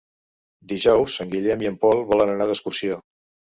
Dijous en Guillem i en Pol volen anar d'excursió.